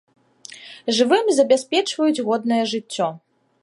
Жывым забяспечваюць годнае жыццё.